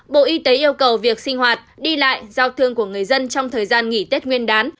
bộ y tế yêu cầu việc sinh hoạt đi lại giao thương của người dân trong thời gian nghỉ tết nguyên đán